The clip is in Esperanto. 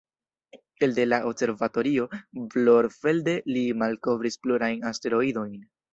Elde la Observatorio Brorfelde, li malkovris plurajn asteroidojn.